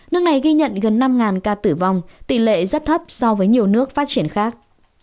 nước này ghi nhận gần năm ca tử vong tỷ lệ rất thấp so với nhiều nước phát triển khác